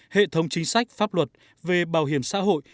hệ thống chính sách pháp luật về bảo hiểm xã hội